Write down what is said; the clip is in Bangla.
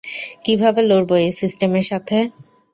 কিভাবে লড়বো এই সিস্টেমের সাথে?